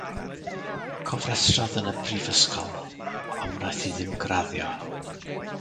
Cofrestrodd yn y brifysgol ond wnaeth hi ddim graddio.